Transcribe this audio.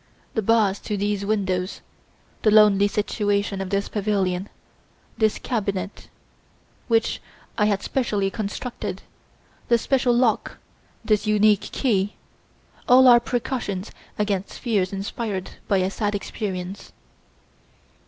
The bars to these windows, the lonely situation of this pavilion, this cabinet, which I had specially constructed, this special lock, this unique key, all are precautions against fears inspired by a sad experience."